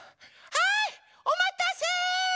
はいおまたせ！